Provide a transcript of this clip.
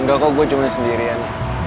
enggak kok gue cuma sendirian